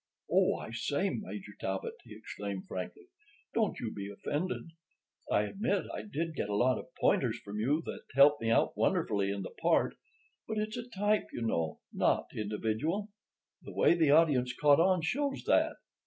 Oh, I say, Major Talbot," he exclaimed frankly, "don't you be offended. I admit I did get a lot of pointers from you that helped out wonderfully in the part. But it's a type, you know—not individual. The way the audience caught on shows that.